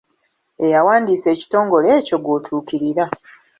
Eyawandiisa ekitongole ekyo gw'otuukirira.